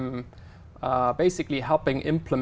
mà chúng ta đang làm